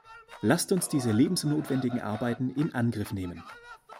Lasst uns diese lebensnotwendigen Arbeiten in Angriff nehmen!